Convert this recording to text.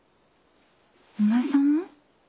お前さんも？